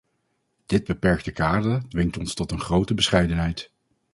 Dit beperkte kader dwingt ons tot een grote bescheidenheid.